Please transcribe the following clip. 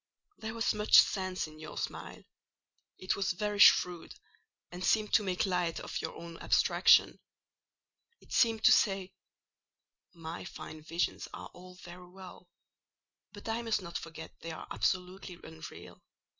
There was much sense in your smile: it was very shrewd, and seemed to make light of your own abstraction. It seemed to say—'My fine visions are all very well, but I must not forget they are absolutely unreal.